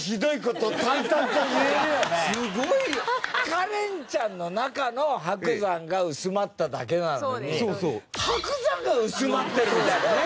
カレンちゃんの中の伯山が薄まっただけなのに伯山が薄まってるみたいだよね。